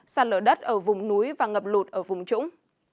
sàn lở đất ở vùng núi và ngập lụt ở vùng trũng